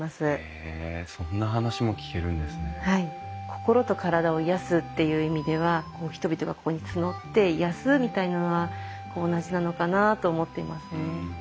心と体を癒やすっていう意味では人々がここにつどって癒やすみたいなのは同じなのかなと思っていますね。